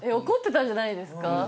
怒ってたんじゃないですか？